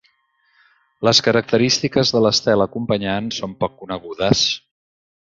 Les característiques de l'estel acompanyant són poc conegudes.